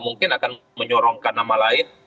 mungkin juga akan menyebutkan nama lain